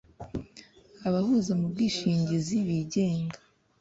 abahuza mu bwishingizi bigenga;